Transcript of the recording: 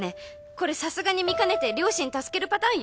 これさすがに見かねて両親助けるパターンよ？